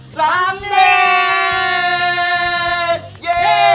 สำเร็จ